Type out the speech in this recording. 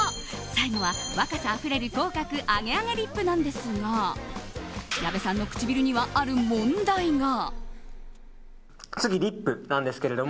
最後は若さあふれる口角アゲアゲリップなんですが矢部さんの唇には、ある問題が。